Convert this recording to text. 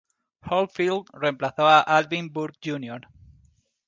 Holyfield reemplazó a Alvin Burke, Jr.